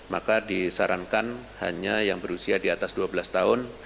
maka disarankan hanya yang berusia di atas dua belas tahun